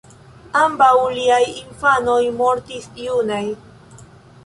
Ambaŭ liaj infanoj mortis junaj.